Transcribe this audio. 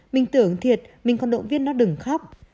mình tưởng thiệt mình còn động viên nó đừng khóc